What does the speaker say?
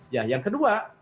ya yang kedua